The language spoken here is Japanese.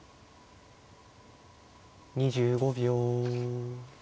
２５秒。